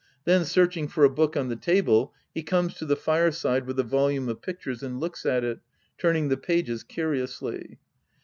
Then searching for a book 071 the table, he comes to the fireside with a volume of pictures and looks at it, turning the pages curiously.